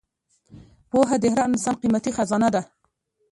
پوهه د هر انسان قیمتي خزانه ده.